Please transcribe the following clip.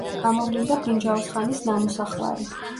გამოვლინდა ბრინჯაოს ხანის ნამოსახლარი.